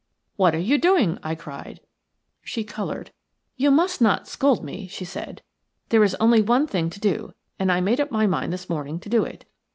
"What are you doing?" I cried. She coloured. "You must not scold me," she said. "There is only one thing to do, and I made up my mind this morning to do it.